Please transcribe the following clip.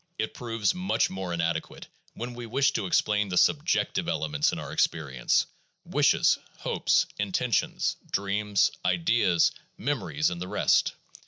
It proves much more inadequate when we wish to explain the "subjective" elements in experience — wishes, hopes, intentions, dreams, ideas, memories, and the rest.